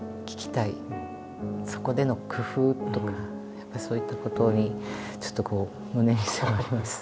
そこでの工夫とかやっぱりそういったことにちょっとこう胸に迫ります。